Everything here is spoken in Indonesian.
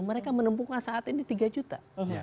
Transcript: mereka menemukan saat ini tiga juta